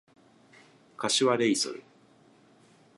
柏レイソル